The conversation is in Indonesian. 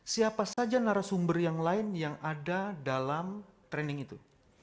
siapa saja narasumber yang lain yang ada dalam training itu